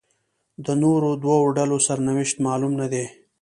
د نورو دوو ډلو سرنوشت معلوم نه دی.